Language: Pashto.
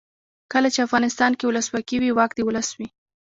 کله چې افغانستان کې ولسواکي وي واک د ولس وي.